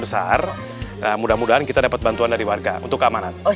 besar mudah mudahan kita dapat bantuan dari warga untuk keamanan sarta ya eh ke lawis